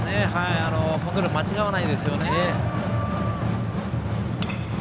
コントロール間違わないですよね。